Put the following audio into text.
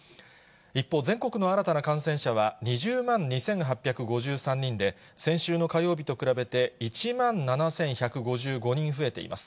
一方、全国の新たな感染者は２０万２８５３人で、先週の火曜日と比べて１万７１５５人増えています。